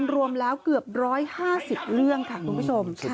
รวมแล้วเกือบ๑๕๐เรื่องค่ะคุณผู้ชม